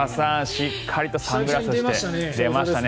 しっかりとサングラスして出ましたね。